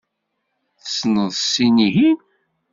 Tessneḍ sin-ihin?